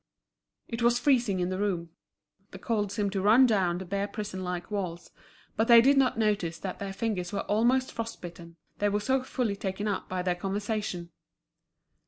It was freezing in the room, the cold seemed to run down the bare prison like walls; but they did not notice that their fingers were almost frost bitten, they were so fully taken up by their conversation.